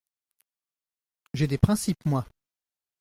J’ai des principes, moi !